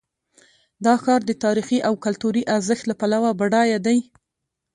دا ښار د تاریخي او کلتوري ارزښت له پلوه بډایه دی.